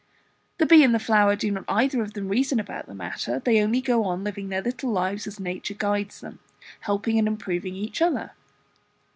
The bee and the flower do not either of them reason about the matter, they only go on living their little lives as nature guides them, helping and improving each other.